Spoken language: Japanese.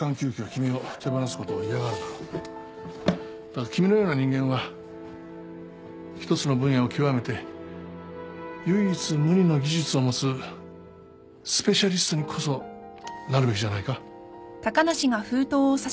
だが君のような人間は一つの分野を極めて唯一無二の技術を持つスペシャリストにこそなるべきじゃないか？